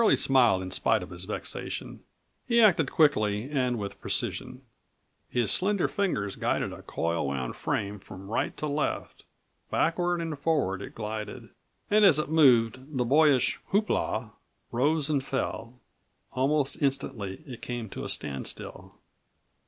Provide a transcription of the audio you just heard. Curlie smiled in spite of his vexation. He acted quickly and with precision. His slender fingers guided a coil wound frame from right to left. Backward and forward it glided, and as it moved the boyish "Hoop la" rose and fell. Almost instantly it came to a standstill.